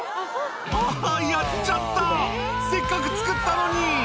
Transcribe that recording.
「あぁやっちゃったせっかく作ったのに」